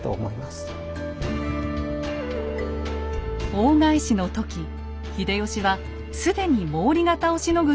大返しの時秀吉は既に毛利方をしのぐ